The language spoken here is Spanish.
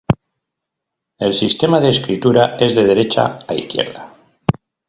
El sistema de escritura es de derecha a izquierda.